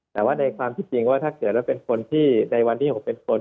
แต่ว่าในความที่จริงว่าถ้าเกิดว่าเป็นคนที่ในวันที่๖เป็นคน